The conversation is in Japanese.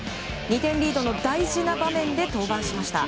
２点リードの大事な場面で登板しました。